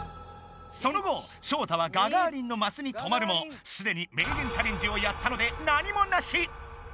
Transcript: その後ショウタはガガーリンのマスに止まるもすでに名言チャレンジをやったので何もなし！